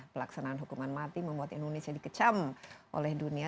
pelaksanaan hukuman mati membuat indonesia dikecam oleh dunia